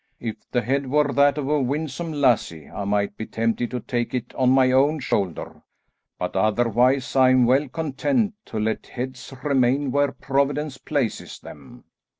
If the head were that of a winsome lassie I might be tempted to take it on my own shoulder, but otherwise I am well content to let heads remain where Providence places them."